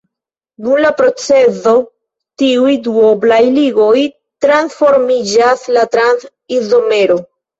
Dum la procezo tiuj duoblaj ligoj transformiĝas la trans-izomero.